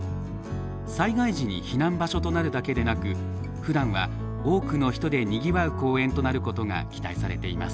災害時に避難場所となるだけでなくふだんは多くの人でにぎわう公園となることが期待されています。